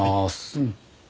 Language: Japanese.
うん。